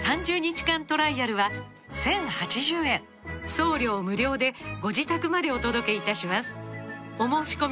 送料無料でご自宅までお届けいたしますお申込みは